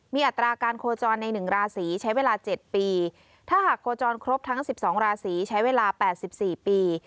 มีอัตราการโคจรในหนึ่งราศีใช้เวลา๗ปีถ้าหากโคจรครบทั้ง๑๒ราศีใช้เวลา๘๔ปี